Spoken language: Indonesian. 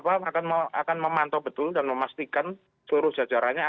saya kira presiden jokowi akan memantau betul dan memastikan seluruh jajarannya akan disiapkan